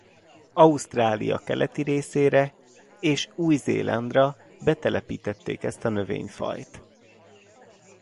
Ausztrália keleti részére és Új-Zélandra betelepítették ezt a növényfajt.